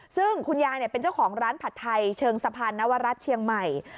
ซึ่งคุณยายเป็นเจ้าของร้านผัดไทยเชิงสะพานนวรัฐเชียงใหม่